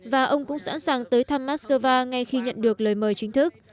và ông cũng sẵn sàng tới thăm moscow ngay khi nhận được lời mời chính thức